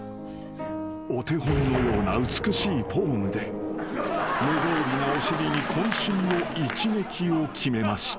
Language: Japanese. ［お手本のような美しいフォームで無防備なお尻に渾身の一撃を決めました］